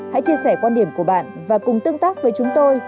hãy chia sẻ quan điểm của bạn và cùng tương tác với chúng tôi